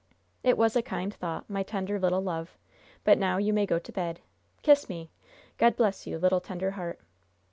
"It was a kind thought, my tender, little love; but now you may go to bed. Kiss me. God bless you, little tender heart!"